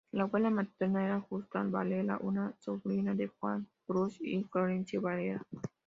La abuela materna era Justa Varela, una sobrina de Juan Cruz y Florencio Varela.